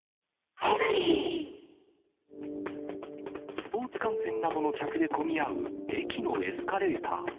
スポーツ観戦などの客で混み合う、駅のエスカレーター。